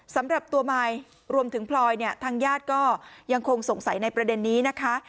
สำหรับตัวมายรวมถึงพลอยเนี่ยทางญาติก็ยังคงสงสัยในประเด็นนี้นะคะ